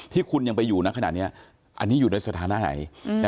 ที่คุณยังไปอยู่นะขนาดนี้อันนี้อยู่ในสถานะไหน